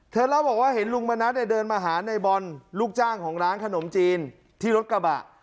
เล่าบอกว่าเห็นลุงมณัฐเดินมาหาในบอลลูกจ้างของร้านขนมจีนที่รถกระบะ